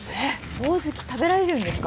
ほおずき、食べられるんですか。